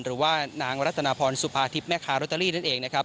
หรือว่านางรัฐนพรสุภาทิพย์แม่ค้ารอตเตอรี่นั่นเอง